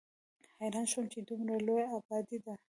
حېران شوم چې دومره لويه ابادي ده